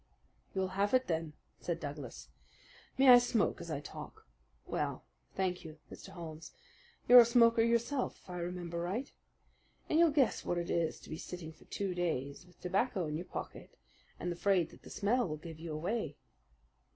"You'll have it, sir," said Douglas. "May I smoke as I talk? Well, thank you, Mr. Holmes. You're a smoker yourself, if I remember right, and you'll guess what it is to be sitting for two days with tobacco in your pocket and afraid that the smell will give you away."